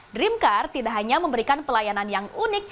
dreamcar tidak hanya memberikan pelayanan yang unik